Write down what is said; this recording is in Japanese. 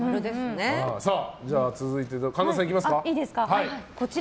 さあ、続いて神田さんいきますか。